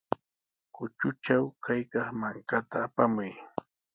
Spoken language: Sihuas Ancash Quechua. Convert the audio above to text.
Kutatraw kaykaq mankata apamuy.